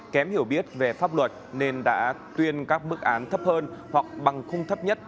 kém hiểu biết về pháp luật nên đã tuyên các bức án thấp hơn hoặc bằng khung thấp nhất